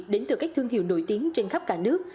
đến từ các thương hiệu nổi tiếng trên khắp cả nước